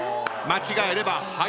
間違えれば敗北。